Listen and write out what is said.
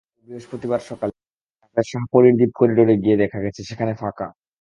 গতকাল বৃহস্পতিবার সকালে টেকনাফের শাহপরীর দ্বীপ করিডরে গিয়ে দেখা গেছে, সেখানে ফাঁকা।